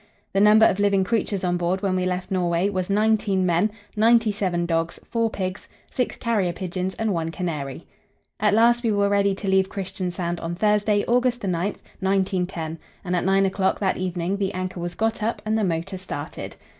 The number of living creatures on board when we left Norway was nineteen men, ninety seven dogs, four pigs, six carrier pigeons, and one canary. At last we were ready to leave Christiansand on Thursday, August 9, 1910, and at nine o'clock that evening the anchor was got up and the motor started.